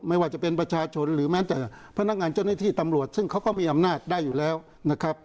ไม่ว่าจะเป็นประชาชนหรือแม้แต่พนักงานเจ้าหน้าที่ตำรวจซึ่งเขาก็มีอำนาจได้อยู่แล้วนะครับ